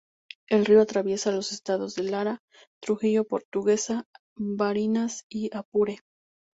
El río atraviesa los estados de Lara, Trujillo, Portuguesa, Barinas y Apure.